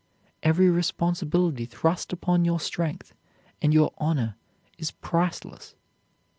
Every responsibility thrust upon your strength and your honor is priceless.